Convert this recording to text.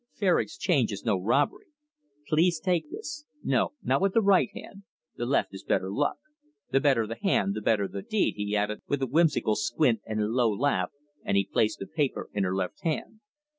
"Fair exchange is no robbery. Please take this. No, not with the right hand; the left is better luck the better the hand, the better the deed," he added with a whimsical squint and a low laugh, and he placed the paper in her left hand.